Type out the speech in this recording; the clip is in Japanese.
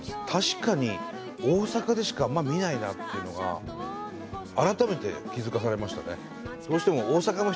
確かに大阪でしかあんま見ないなっていうのが改めて気付かされましたね。